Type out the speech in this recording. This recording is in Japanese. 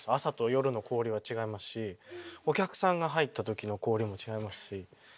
朝と夜の氷は違いますしお客さんが入った時の氷も違いますし。